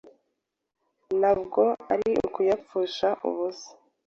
nabwo nari kuyapfusha ubusa.